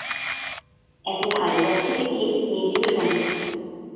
এত ভালো যাচ্ছে দেখে নিজেও শঙ্কিত।